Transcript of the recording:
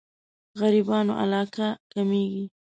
غريبانو علاقه کمېږي.